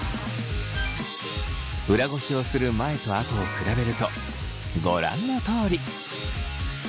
裏ごしをする前と後を比べるとご覧のとおり。